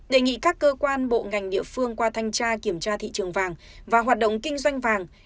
đề nghị các cơ quan bộ ngành địa phương qua thanh tra kiểm tra thị trường vàng và hoạt động kinh doanh vàng